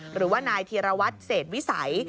หรือว่านายธีรวัตรเศษวิสัย